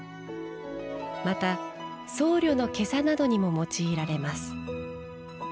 また僧侶の袈裟などにも用いられます。